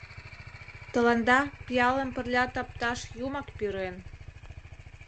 Тыланда пиалым пырля тапташ юмак пӱрен.